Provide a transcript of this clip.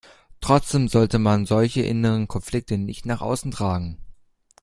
Trotzdem sollte man solche inneren Konflikte nicht nach außen tragen.